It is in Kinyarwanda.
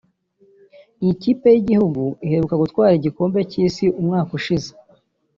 Iyi kipe y’igihugu iheruka gutwara igikombe cy’isi umwaka ushize